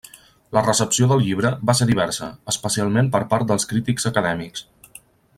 La recepció del llibre va ser diversa, especialment per part dels crítics acadèmics.